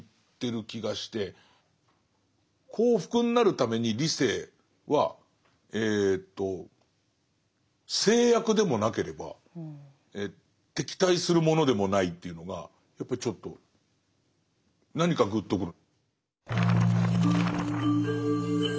幸福になるために理性は制約でもなければ敵対するものでもないというのがやっぱりちょっと何かぐっとくる。